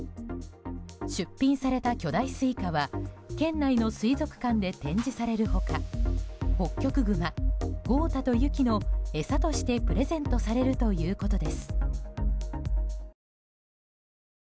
出品された巨大スイカは県内の水族館で展示される他ホッキョクグマ豪太とユキの餌としてプレゼントされるということです。